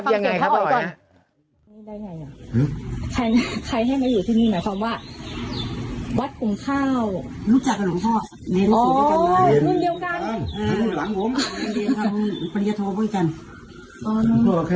ลองฟังเสียง